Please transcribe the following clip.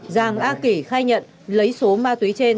giàng a kỷ khai nhận lấy số ma túy trên